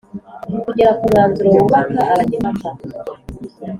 kugera ku mwanzuro wubaka, abajya impaka